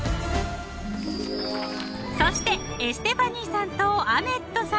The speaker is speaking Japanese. ［そしてエステファニーさんとアメッドさん